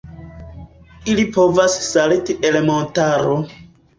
Ili povas salti el montaro.